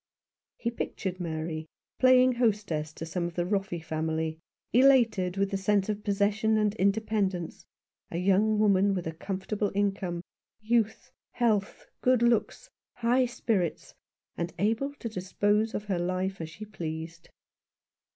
He pictured Mary playing hostess to some of the Roffey family, elated with the sense of possession and independence, a young woman with a com fortable income, youth, health, good looks, high spirits, and able to dispose of her life as she pleased.